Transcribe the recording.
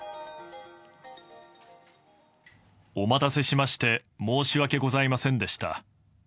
お待たせしまして申し訳ございませんでした。